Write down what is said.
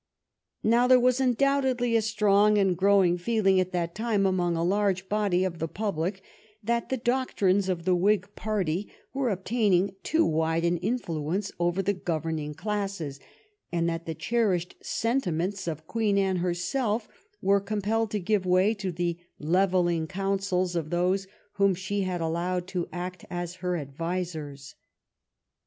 '* Now there was undoubtedly a strong and growing feeling at that time among a large body of the public that the doctrines of the Whig party were obtaining too wide an influence over the governing classes, and that the cherished sentiments of Queen Anne herself were compelled to give way to the levelling counsels of those whom she had allowed to act as her advisers.